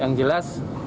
yang jelas kita